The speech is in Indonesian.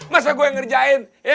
masa gua yang ngerjain